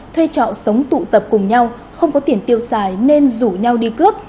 thuê trọ sống tụ tập cùng nhau không có tiền tiêu xài nên rủ nhau đi cướp